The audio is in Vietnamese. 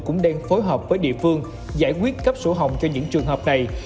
cũng đang phối hợp với địa phương giải quyết cấp sổ hồng cho những trường hợp này